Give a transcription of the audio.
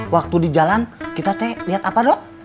waktu di jalan kita teh lihat apa dok